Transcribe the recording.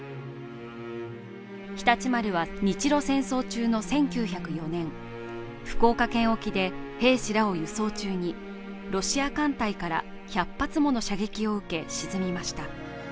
「常陸丸」は日露戦争の１９０４年、福岡県沖で兵士らを輸送中にロシア艦隊から１００発もの射撃を受け、沈みました。